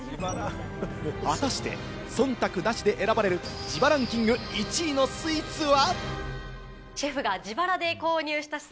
果たして、忖度なしで選ばれる自腹ンキング１位のスイーツは。